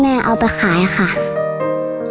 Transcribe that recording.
แม่เอาไปขายครับ